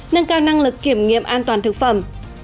nâng cao năng lực kiểm nghiệm an toàn thực phẩm